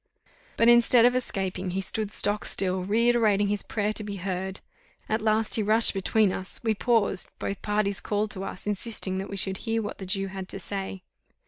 But, instead of escaping, he stood stock still, reiterating his prayer to be heard: at last he rushed between us we paused both parties called to us, insisting that we should hear what the Jew had to say.